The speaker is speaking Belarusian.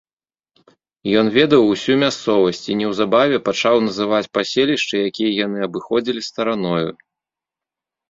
Ён ведаў усю мясцовасць і неўзабаве пачаў называць паселішчы, якія яны абыходзілі стараною.